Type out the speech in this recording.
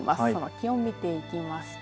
気温、見ていきますと。